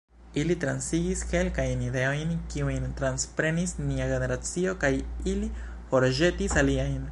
Ili transigis kelkajn ideojn, kiujn transprenis nia generacio, kaj ili forĵetis aliajn.